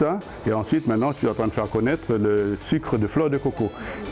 dan sekarang kita akan membuat mereka mengenali sukar koko